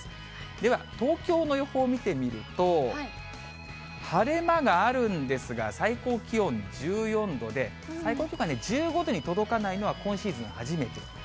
では、東京の予報を見てみると、晴れ間があるんですが、最高気温１４度で、最高気温が１５度に届かないのは、今シーズン初めて。